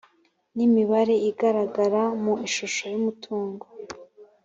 n imibare igaragara mu ishusho y umutungo